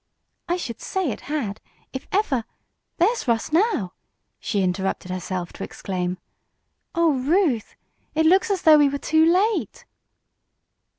"I should say it had. If ever there's Russ now!" she interrupted herself to exclaim. "Oh, Ruth. It looks as though we were too late!"